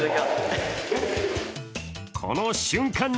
この瞬間